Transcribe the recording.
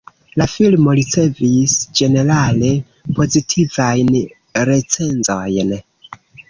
La filmo ricevis ĝenerale pozitivajn recenzojn.